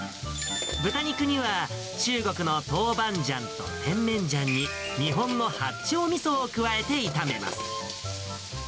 豚肉には中国のトウバンジャンとテンメンジャンに日本の八丁みそを加えて炒めます。